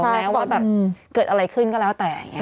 แม้ว่าแบบเกิดอะไรขึ้นก็แล้วแต่